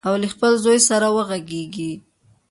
او له خپل زوی سره وغږیږي.